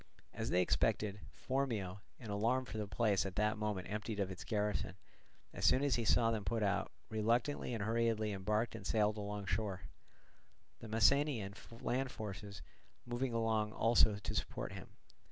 As they expected, Phormio, in alarm for the place at that moment emptied of its garrison, as soon as he saw them put out, reluctantly and hurriedly embarked and sailed along shore; the Messenian land forces moving along also to support him.